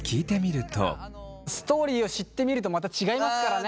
ストーリーを知って見るとまた違いますからね。